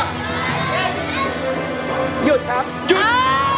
หยุดครับหยุด